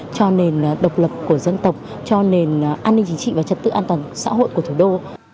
cho nền độc lập của dân tộc cho nền an ninh chính trị và trật tự an toàn xã hội của thủ đô